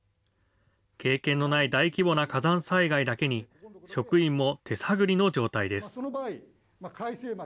経験のない大規模な火山災害だけに、職員も手探りの状態です。